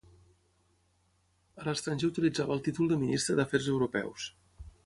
A l'estranger utilitzava el títol de Ministre d'Afers Europeus.